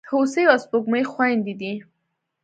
هوسۍ او سپوږمۍ خوېندي دي.